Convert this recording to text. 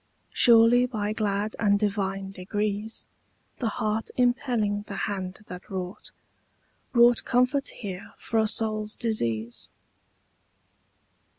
Surely by glad and divine degrees The heart impelling the hand that wrought Wrought comfort here for a soul's disease.